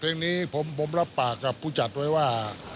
บทเพลงพิเศษเพลงนี้ผมรับปากกับผู้จัดไว้ว่า